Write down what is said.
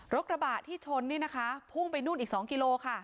กระบะที่ชนนี่นะคะพุ่งไปนู่นอีก๒กิโลค่ะ